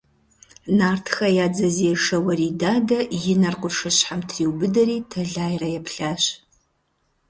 Нартхэ я дзэзешэ Уэрий Дадэ и нэр къуршыщхьэм триубыдэри тэлайрэ еплъащ.